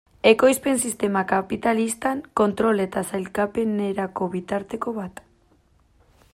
Ekoizpen sistema kapitalistan, kontrol eta sailkapenerako bitarteko bat.